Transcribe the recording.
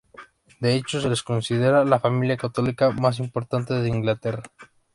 De hecho, se les considera la familia católica más importante de Inglaterra.